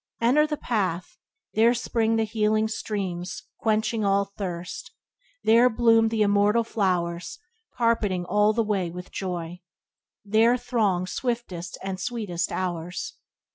"Enter the Path! There spring the healing streams Quenching all thirst! There bloom th' immortal flowers Carpeting all the way with joy! Byways to Blessedness by James Allen 50 There throng Swiftest and sweetest hours!"